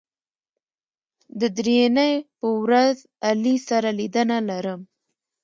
د درېنۍ په ورځ علي سره لیدنه لرم